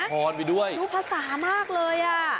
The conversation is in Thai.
รับผิดรับพรไปด้วยรู้ภาษามากเลยอ่ะ